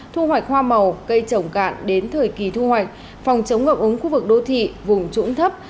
thu hoạch hoa màu cây trồng cạn đến thời kỳ thu hoạch phòng chống ngập úng khu vực đô thị vùng trũng thấp